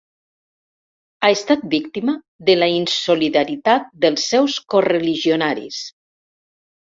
Ha estat víctima de la insolidaritat dels seus correligionaris.